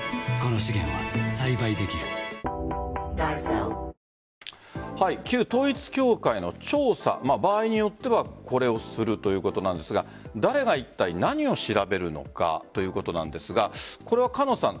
それは行政側が旧統一教会の調査場合によってはこれをするということなんですが誰がいったい何を調べるのかということなんですがこれは菅野さん